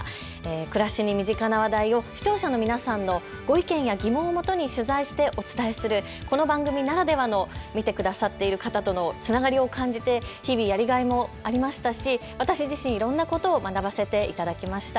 暮らしに身近な話題を視聴者の皆さんのご意見や疑問をもとに取材してお伝えする、この番組ならではの見てくださっている方とのつながりを感じて日々やりがいもありましたし、私自身いろんなことを学ばせていただきました。